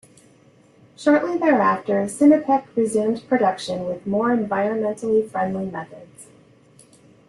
Shortly thereafter, Sinopec resumed production with more environmentally friendly methods.